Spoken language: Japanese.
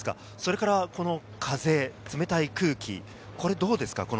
それからこの風、冷たい空気どうですか？